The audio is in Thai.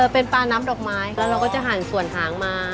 เป็นปลาน้ำดอกไม้แล้วเราก็จะหั่นส่วนหางมา